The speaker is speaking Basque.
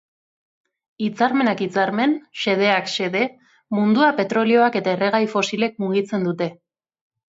Hitzarmenak hitzarmen, xedeak xede, mundua petrolioak eta erregai fosilek mugitzen dute.